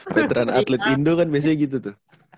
veteran atlet indo kan biasanya gitu tuh